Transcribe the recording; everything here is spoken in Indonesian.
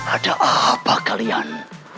ada apa kalian